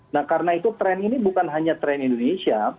nah karena itu tren ini bukan hanya tren indonesia